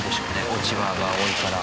落ち葉が多いから。